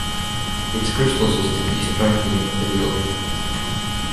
Its crystal system is triclinic pedial.